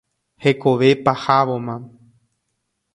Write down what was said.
Hekove pahávoma.